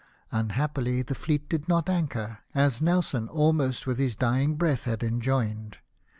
Unhappily, the fleet did not anchor, as Nelson, al most with his dying breath, had enjoined.